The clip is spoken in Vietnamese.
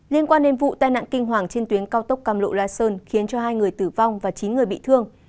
liên quan đến vụ tai nạn kinh hoàng trên tuyến cao tốc cam lộ la sơn khiến cho hai người tử vong và chín người bị thương